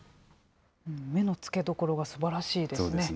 目の付けどころがすばらしいですね。